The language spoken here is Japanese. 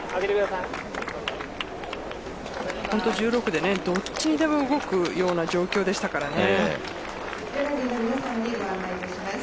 本当１６でねどっちにでも動くような状況でしたからね。